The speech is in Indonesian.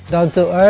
di bawah bumi